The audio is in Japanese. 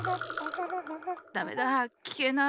ダメだ。きけない。